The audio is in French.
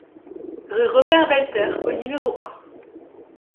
Rue Robert Velter au numéro un